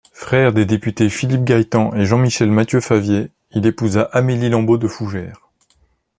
Frère des députés Philippe-Gaëtan et Jean-Michel Mathieu-Faviers, il épousa Amélie Lambot de Fougères.